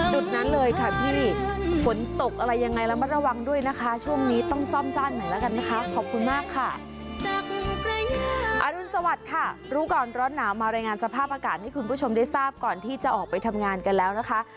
รุดนั้นเลยค่ะอรุณสวัสดิ์ค่ะรู้ก่อนร้อนหนาวมารายงานสภาพอากาศให้คุณผู้ชมได้ทราบก่อนที่จะออกไปทำงานกันแล้วนะคะ